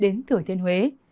đến thời thiên huế